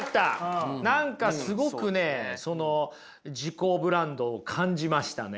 何かすごく自己ブランドを感じましたね。